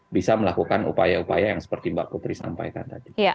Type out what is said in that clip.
dan juga bisa melakukan upaya upaya yang seperti mbak kupri sampaikan tadi